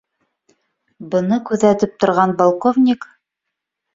Быны күҙәтеп торған полковник: